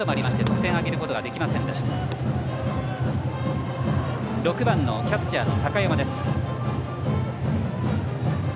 打席は６番、キャッチャーの高山です。